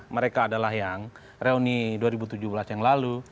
mereka adalah yang reuni dua ribu tujuh belas yang lalu